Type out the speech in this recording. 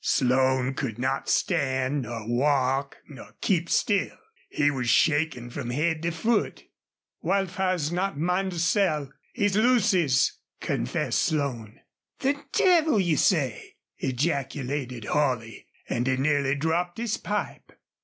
Slone could not stand nor walk nor keep still. He was shaking from head to foot. "Wildfire's not mine to sell. He's Lucy's!" confessed Slone. "The devil you say!" ejaculated Holley, and he nearly dropped his pipe.